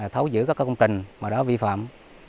thấu giữ các công trình mà đã vi phạm